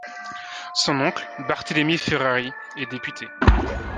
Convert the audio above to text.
Son oncle, Barthélémy Ferrary, est député.